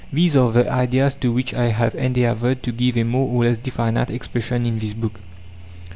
These are the ideas to which I have endeavoured to give a more or less definite expression in this book.